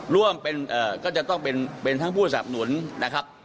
ร่วมเป็นก็จะต้องเป็นทั้งผู้สับหนุนนะครับ